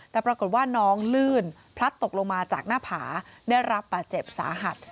แต่ปรากฏว่าน้องลื่นพลัดตกลงมาจากหน้าผาได้รับบาดเจ็บสาหัส